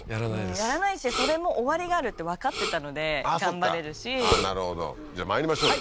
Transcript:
やらないしそれも終わりがあるってわかってたので頑張れるしなるほどじゃあまいりましょうよ